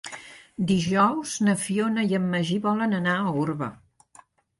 Dijous na Fiona i en Magí volen anar a Orba.